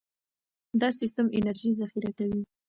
دا سیستم انرژي ذخیره کوي.